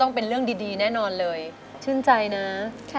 ทั้งในเรื่องของการทำงานเคยทำนานแล้วเกิดปัญหาน้อย